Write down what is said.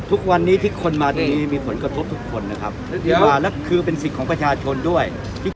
ทุกวันนี้ที่คนมาตรงนี้มีผลกระทบทุกคนนะครับแล้วคือเป็นสิทธิ์ของประชาชนด้วยที่